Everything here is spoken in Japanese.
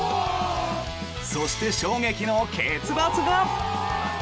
そして、衝撃の結末が。